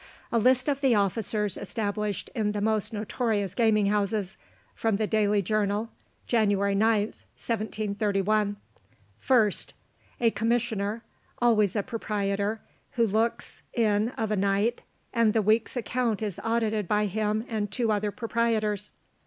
"A list of the officers established in the most notorious gaming houses," from the DAILY JOURNAL, Jan. 9th, 1731. 1st. A COMMISSIONER, always a proprietor, who looks in of a night; and the week's account is audited by him and two other proprietors.